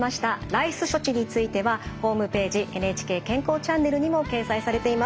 ＲＩＣＥ処置についてはホームページ「ＮＨＫ健康チャンネル」にも掲載されています。